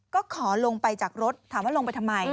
ก็ขอลงไปจากรถถามว่าลงไปทำไม